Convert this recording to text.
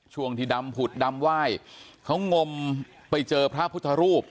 ช่วงที่ดำผุดดำไหว้เขางมไปเจอพระพุทธรูป